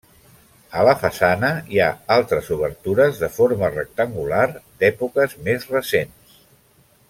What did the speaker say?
A la façana hi ha altres obertures, de forma rectangular, d'èpoques més recents.